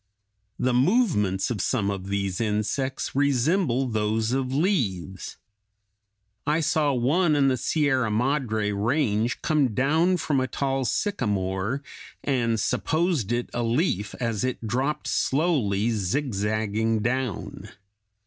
The movements of some of these insects resemble those of leaves. I saw one in the Sierra Madre range come down from a tall sycamore, and supposed it a leaf, as it dropped slowly, zigzagging down.